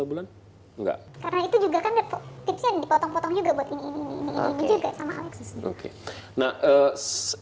karena itu juga kan tipsnya dipotong potong juga buat ini ini ini ini juga sama alexis